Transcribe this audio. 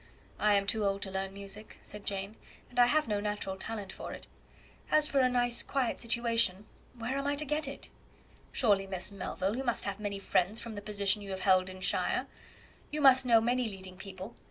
"I am too old to learn music," said Jane, "and I have no natural talent for it. As for a nice quiet situation, where am I to get it?" "Surely, Miss Melville, you must have many friends, from the position you have held in shire; you must know many leading people.